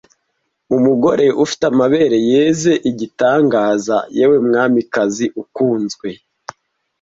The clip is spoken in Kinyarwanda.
umugore ufite amabere yeze igitangaza yewe mwamikazi ukunzwe